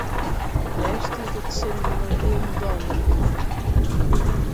Dêr stiet it sin my no hielendal net nei.